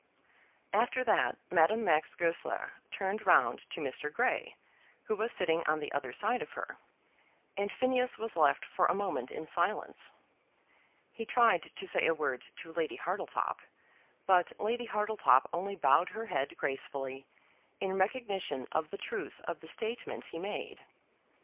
After that Madame Max Goesler turned round to Mr. Grey, who was sitting on the other side of her, and Phineas was left for a moment in silence. He tried to say a word to Lady Hartletop, but Lady Hartletop only bowed her head gracefully in recognition of the truth of the statement he made.